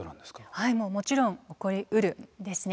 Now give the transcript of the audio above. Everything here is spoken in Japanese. はいもうもちろん起こりうるんですね。